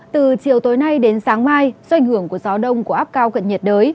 từ chiều tối nay đến sáng mai do ảnh hưởng của gió đông của áp cao cận nhiệt đới